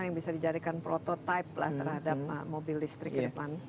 yang bisa dijadikan prototipe lah terhadap mobil listrik ke depan